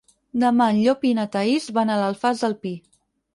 Demà en Llop i na Thaís van a l'Alfàs del Pi.